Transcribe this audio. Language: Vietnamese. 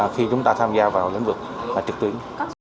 khi chúng ta tham gia vào lĩnh vực trực tuyến